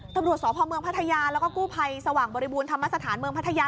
ตำรวจสพเมืองพัทยาแล้วก็กู้ภัยสว่างบริบูรณธรรมสถานเมืองพัทยา